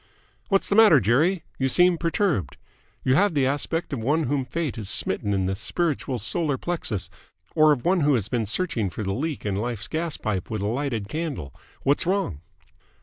"What's the matter, Jerry? You seem perturbed. You have the aspect of one whom Fate has smitten in the spiritual solar plexus, or of one who has been searching for the leak in Life's gaspipe with a lighted candle. What's wrong?"